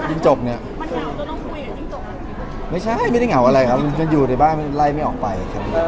ยิ่งจบเนี้ยไม่ใช่ไม่ได้เหงาอะไรครับมันก็อยู่ในบ้านไล่ไม่ออกไปครับเออ